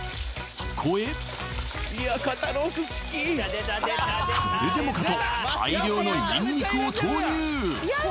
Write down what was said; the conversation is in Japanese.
そこへこれでもかと大量のにんにくを投入！